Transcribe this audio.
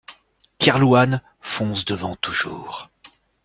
Kerlouan, fonce devant toujours.